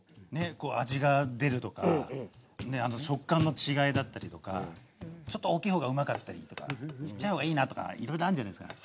こう味が出るとかね食感の違いだったりとかちょっと大きい方がうまかったりとかちっちゃい方がいいなとかいろいろあんじゃないすか。